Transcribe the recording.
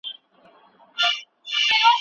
خوب د انسان د ستړیا د لرې کولو لاره ده.